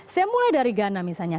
saya mulai dari ghana misalnya